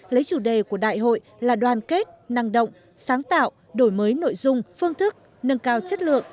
lấy chủ đề của đại hội là đoàn kết năng động sáng tạo đổi mới nội dung phương thức nâng cao chất lượng